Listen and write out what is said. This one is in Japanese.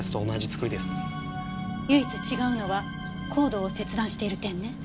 唯一違うのはコードを切断している点ね。